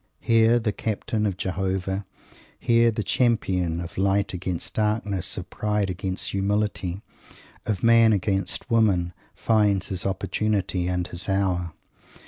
Here the Captain of Jehovah, here the champion of Light against Darkness, of Pride against Humility, of Man against Woman, finds his opportunity and his hour.